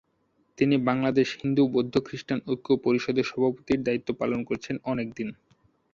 তিনি বাংলাদেশ হিন্দু-বৌদ্ধ-খ্রিস্টান ঐক্য পরিষদের সভাপতির দায়িত্ব পালন করেছেন অনেক দিন।